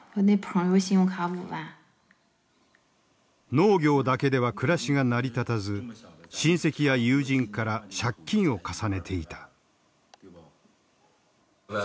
農業だけでは暮らしが成り立たず親戚や友人から借金を重ねていた。